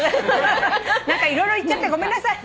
何か色々言っちゃってごめんなさい。